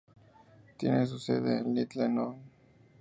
Tiene su sede en Littleton.